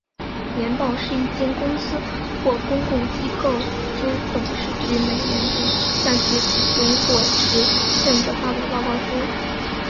年报是一间公司或公共机构之董事局每年度向其股东或持份者发布的报告书。